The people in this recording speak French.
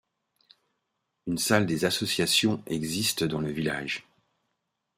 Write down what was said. Une salle des associations existe dans le village.